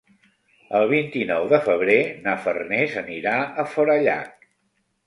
El vint-i-nou de febrer na Farners anirà a Forallac.